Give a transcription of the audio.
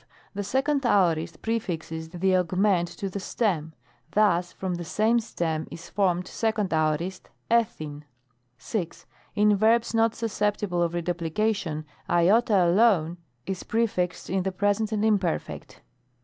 5. The 2d Aorist prefixes the augment to the stem. Thus from the same stem is formed 2d Aorist 6. In verbs not susceptible of reduplication, Iota* alone is prefixed in the Present and Imperfect.